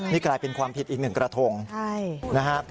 นี่กลายเป็นความผิดอีกหนึ่งกระทงนะฮะ